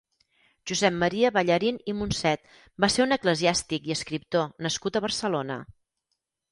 Josep Maria Ballarín i Monset va ser un eclesiàstic i escriptor nascut a Barcelona.